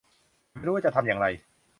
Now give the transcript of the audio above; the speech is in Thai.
ฉันไม่รู้ว่าจะทำอย่างไร